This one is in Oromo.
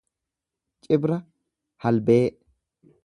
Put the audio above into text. Cibra halbee